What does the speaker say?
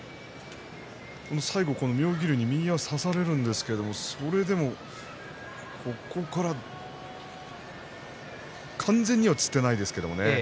最後、妙義龍に右を差されるんですがそれでも、ここから完全には、つっていませんけど。